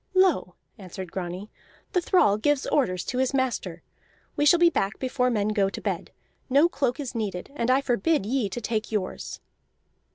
"Lo," answered Grani, "the thrall gives orders to his master! We shall be back before men go to bed. No cloak is needed, and I forbid ye to take yours."